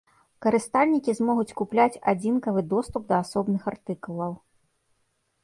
Карыстальнікі змогуць купляць адзінкавы доступ да асобных артыкулаў.